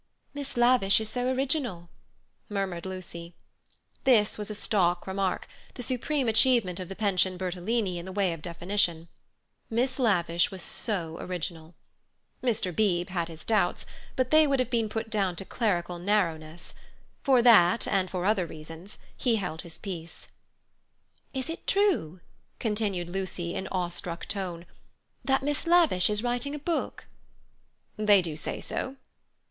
"Miss Lavish is so original," murmured Lucy. This was a stock remark, the supreme achievement of the Pension Bertolini in the way of definition. Miss Lavish was so original. Mr. Beebe had his doubts, but they would have been put down to clerical narrowness. For that, and for other reasons, he held his peace. "Is it true," continued Lucy in awe struck tone, "that Miss Lavish is writing a book?" "They do say so."